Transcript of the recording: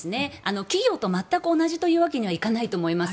企業と全く同じというわけにはいかないと思います。